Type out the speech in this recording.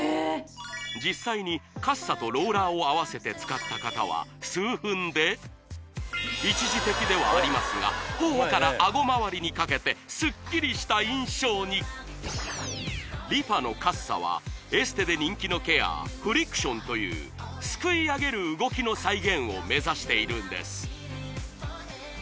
実際にカッサとローラーを合わせて使った方は数分で一時的ではありますが頬から顎回りにかけてスッキリした印象にＲｅＦａのカッサはエステで人気のケアフリクションというすくい上げる動きの再現を目指しているんです